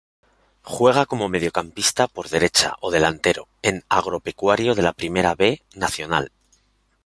Juega como mediocampista por derecha o delantero en Agropecuario de la Primera B Nacional.